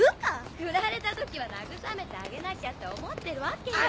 フラれた時は慰めてあげなきゃって思ってるわけよ。